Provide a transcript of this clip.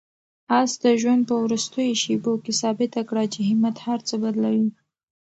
آس د ژوند په وروستیو شېبو کې ثابته کړه چې همت هر څه بدلوي.